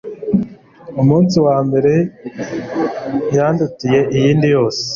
umunsi wambere undutiye iyindi yose